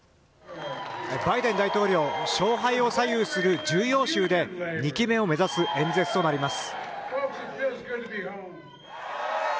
バイデン大統領勝敗を左右する重要州で２期目を目指す演説となります。